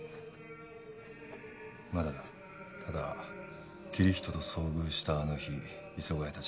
まだだただキリヒトと遭遇したあの日磯ヶ谷達